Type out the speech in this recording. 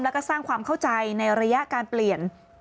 แล้วก็สร้างความเข้าใจในระยะการเปลี่ยน